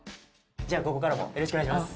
じゃあ午後からもよろしくお願いします。